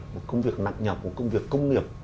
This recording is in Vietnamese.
một công việc nặng nhọc của công việc công nghiệp